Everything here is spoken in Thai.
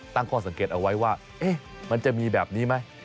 ตั้งข้อสังเกตเอาไว้ว่ามันจะมีแบบนี้ไหม